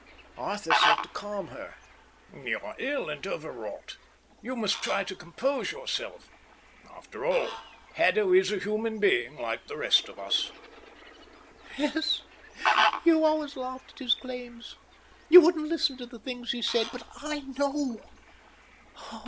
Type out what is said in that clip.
Arthur sought to calm her. "You're ill and overwrought. You must try to compose yourself. After all, Haddo is a human being like the rest of us." "Yes, you always laughed at his claims. You wouldn't listen to the things he said. But I know.